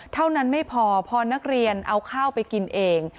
เท่านั้นไม่พอพอนักเรียนเอาข้าวไปกินเอง